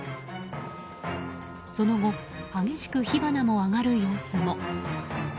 その後激しく火花も上がる様子も。